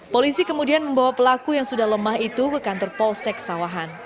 polisi kemudian membawa pelaku yang sudah lemah itu ke kantor polsek sawahan